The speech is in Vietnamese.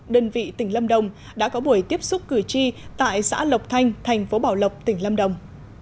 đơn vị tỉnh lâm đồng đã có buổi tiếp xúc cử tri tại xã lộc thanh thành phố bảo lộc tỉnh lâm đồng